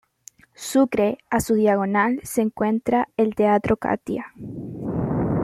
Sucre, a su diagonal se encuentra el Teatro Catia.